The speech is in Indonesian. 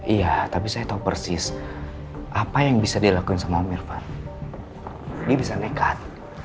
iya tapi saya tahu persis apa yang bisa dilakukan sama mirvan bisa nekat